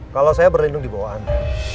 kalau saya berlindung di bawah anda